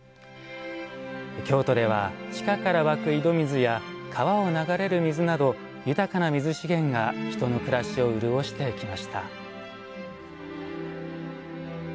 京都では地下から湧く井戸水や川を流れる水など豊かな水資源が人の暮らしを潤してきました。